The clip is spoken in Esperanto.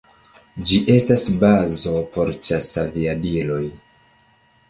Ĝi estas bazo por ĉasaviadiloj.